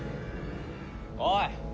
おい！